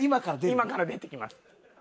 今から出てきます。